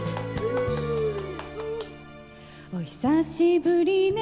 お久しぶりね